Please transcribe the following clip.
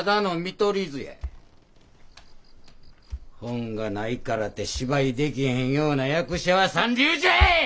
台本がないからて芝居できへんような役者は三流じゃい！